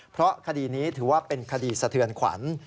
เพราะคดีนี้ถือว่าเป็นคดีสะเทือนขวัญ